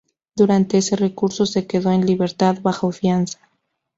Durante ese recurso, se quedó en libertad bajo fianza.